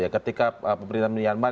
ketika pemerintah myanmar